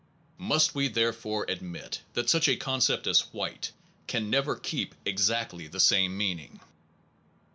Must we therefore ad mit that such a concept as white can never keep exactly the same meaning?